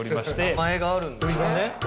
名前があるんですね。